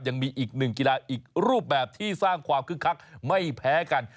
ยังมีอีกหนึ่งกีฬาอีกรูปแบบที่สร้างความคึกคักไม่แพ้กัน